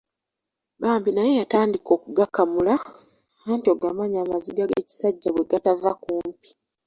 Bambi naye yatandika okugakamula anti ogamanyi amaziga g'ekisajja bwe gatava kumpi.